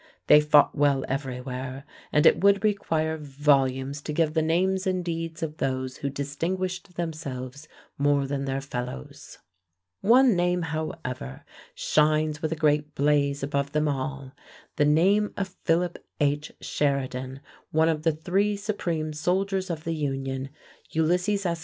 They fought well everywhere, and it would require volumes to give the names and deeds of those who distinguished themselves more than their fellows. One name, however, shines with a great blaze above them all, the name of Philip H. Sheridan, one of the three supreme soldiers of the Union, Ulysses S.